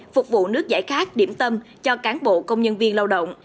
phục vụ nước giải khát điểm tâm cho cán bộ công nhân viên lao động